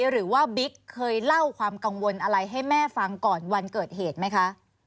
บิ๊กเคยเล่าความกังวลอะไรให้แม่ฟังก่อนวันเกิดเหตุไหมคะ